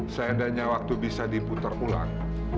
seandainya waktu bisa diputar ulang